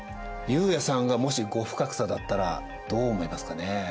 悠也さんがもし後深草だったらどう思いますかね？